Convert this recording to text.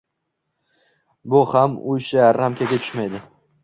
bu ham oʻsha ramkaga tushmaydi